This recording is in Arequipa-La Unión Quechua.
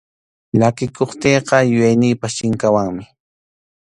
Llakikuptiyqa yuyayniypas chinkawanmi.